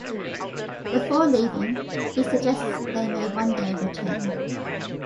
Before leaving, he suggests they may one day return.